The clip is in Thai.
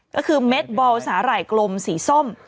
ก็คือเม็ดบอลสาหร่ายกลมสีส้ม